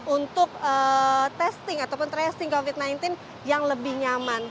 untuk testing ataupun tracing covid sembilan belas yang lebih nyaman